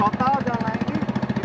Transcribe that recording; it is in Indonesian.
total jalan layang ini sekitar tiga km